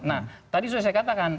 nah tadi sudah saya katakan